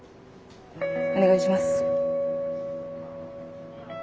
お願いします。